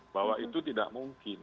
bahwa itu tidak mungkin